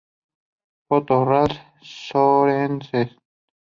Foto: Ralf Sørensen.